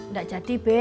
nggak jadi be